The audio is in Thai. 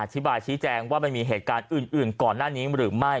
ชี้แจงว่ามันมีเหตุการณ์อื่นก่อนหน้านี้หรือไม่